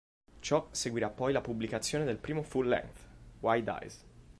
Ciò seguirà poi la pubblicazione del primo full-lenght, "Wide Eyes".